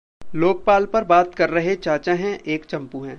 लोकपाल पर बात कर रहे चाचा हैं, एक चंपू हैं